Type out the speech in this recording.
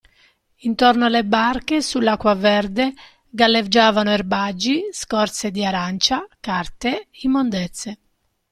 Intorno alle barche, sull'acqua verde, galleggiavano erbaggi, scorze di arancia, carte, immondezze.